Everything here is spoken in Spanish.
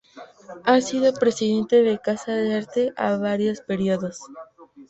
Ha sido Presidente de Casa de Arte, en varios períodos.